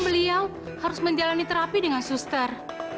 karena beliau harus menjalani terapi dengan suster